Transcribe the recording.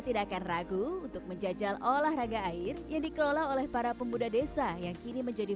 tidak akan ragu untuk menjajal olahraga air yang dikelola oleh para pemuda desa yang kini menjadi